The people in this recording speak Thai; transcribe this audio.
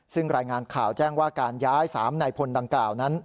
ซึ่งรายงานข่าวแจ้งว่าการย้าย๓นายพลดังกล่าวนั้น